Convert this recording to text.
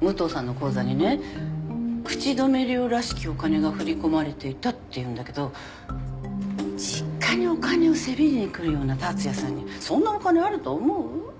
武藤さんの口座にね口止め料らしきお金が振り込まれていたっていうんだけど実家にお金をせびりに来るような竜也さんにそんなお金あると思う？